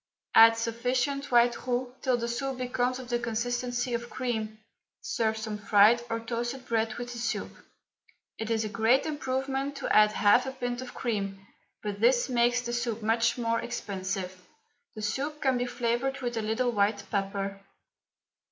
Add sufficient white roux till the soup becomes of the consistency of cream. Serve some fried or toasted bread with the soup. It is a great improvement to add half a pint of cream, but this makes the soup much more expensive. The soup can be flavoured with a little white pepper.